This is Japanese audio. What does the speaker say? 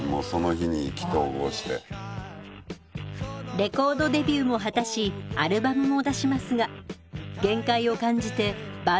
レコードデビューを果たしアルバムも出しますが限界を感じてバンドは解散。